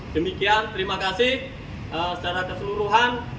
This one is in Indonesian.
demikian terima kasih secara keseluruhan